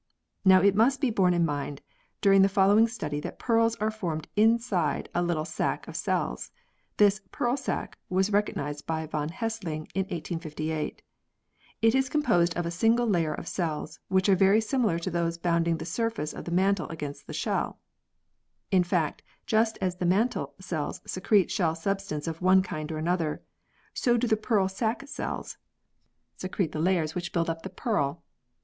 Now it must be borne in mind during the following study that pearls are formed inside a little sa,c of cells. This "pearl sac " was recognised by von Hessling in 1858. It is composed of a single layer of cells, which are very similar to those bounding the surface of the mantle against the shell (see fig. 9). In fact, just as the mantle cells secrete shell substance of one kind or another, so do the pearl sac cells secrete the layers 96 PEARLS [CH. which build up the pearl.